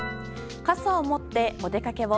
傘を持って、お出かけを。